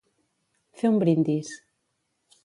Fer un brindis.